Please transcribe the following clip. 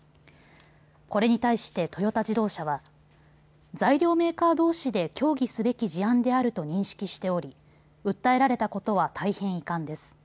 これに対してトヨタ自動車は材料メーカーどうしで協議すべき事案であると認識しており訴えられたことは大変遺憾です。